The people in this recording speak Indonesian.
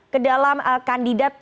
ke dalam kandidat